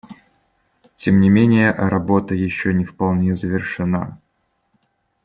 Тем не менее, работа еще не вполне завершена.